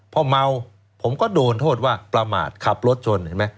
เพราะเมาผมก็โดนโทษว่าประมาทขับรถชน